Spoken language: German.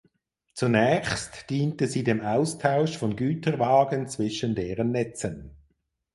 Zunächst diente sie dem Austausch von Güterwagen zwischen deren Netzen.